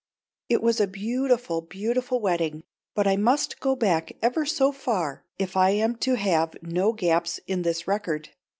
It was a beautiful, beautiful wedding; but I must go back ever so far if I am to have no gaps in this record.